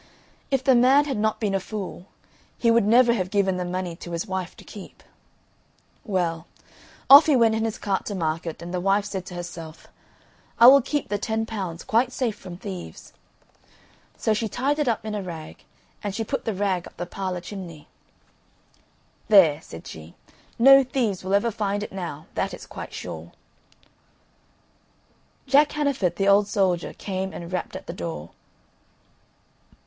If the man had not been a fool he would never have given the money to his wife to keep. Well, off he went in his cart to market, and the wife said to herself: "I will keep the ten pounds quite safe from thieves;" so she tied it up in a rag, and she put the rag up the parlour chimney. "There," said she, "no thieves will ever find it now, that is quite sure." Jack Hannaford, the old soldier, came and rapped at the door.